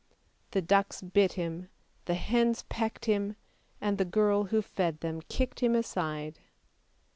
The ducks bit him, the hens pecked him, and the girl who fed them kicked him aside.